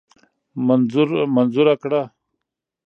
منظوره کړه.